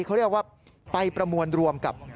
เขาเรียกว่าไปประมวลรวมกับ